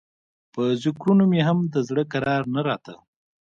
په ذکرونو مې هم د زړه کرار نه راته.